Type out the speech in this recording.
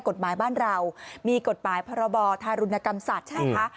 กฎหมายบ้านเรามีกฎหมายพรบธารุณกรรมสัตว์ใช่ไหมคะ